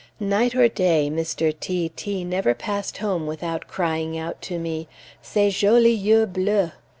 Night or day, Mr. T t never passed home without crying out to me, "_Ces jolis yeux bleus!